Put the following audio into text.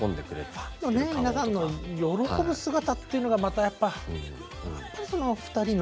ファンの皆さんの喜ぶ姿っていうのがまたやっぱやっぱりその２人の。